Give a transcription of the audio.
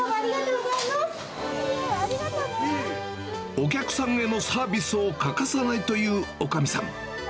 お客さんへのサービスを隠さないというおかみさん。